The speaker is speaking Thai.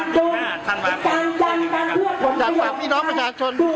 เพราะฉะนั้นในมากการเลือกชั่วตัวจริงใส่ชาว